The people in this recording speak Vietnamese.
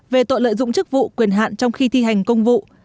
về tội lợi dụng chức vụ quyền hạn trong khi thi hành công vụ